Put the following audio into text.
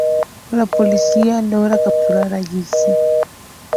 La policía logra capturar a Jesse.